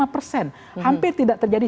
empat puluh lima persen hampir tidak terjadi